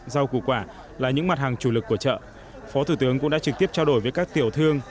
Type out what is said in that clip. rau củ quả là những mặt hàng chủ lực của chợ phó thủ tướng cũng đã trực tiếp trao đổi với các tiểu thương